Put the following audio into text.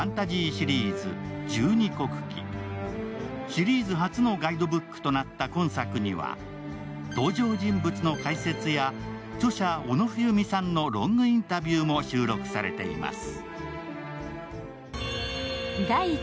シリーズ初のガイドブックとなった今作には、登場人物の解説や著者・小野不由美さんのロングインタビューも収録されています。